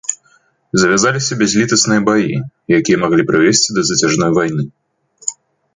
Завязаліся бязлітасныя баі, якія маглі прывесці да зацяжной вайны.